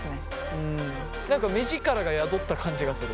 何か目力が宿った感じがする。